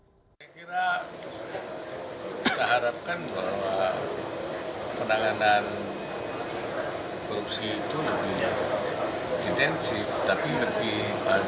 saya kira kita harapkan bahwa penanganan korupsi itu lebih intensif